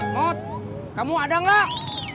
mut kamu ada gak